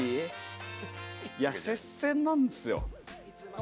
接戦なんですよ。